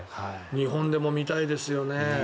日本でも見たいですよね。